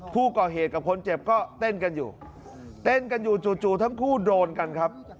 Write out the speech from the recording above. ผู้ก่อเหตุกับคนเจ็บก็เต้นกันอยู่เต้นกันอยู่จู่ทั้งคู่โดนกันครับ